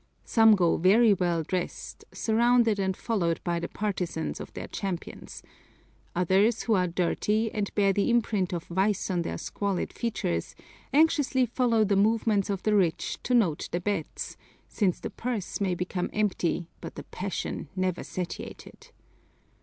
Some go very well dressed, surrounded and followed by the partisans of their champions; others who are dirty and bear the imprint of vice on their squalid features anxiously follow the movements of the rich to note the bets, since the purse may become empty but the passion never satiated.